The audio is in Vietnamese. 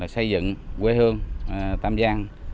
xây dựng quê hương tam giang